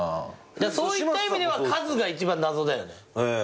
だからそういった意味では和が一番謎だよね。